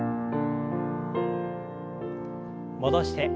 戻して。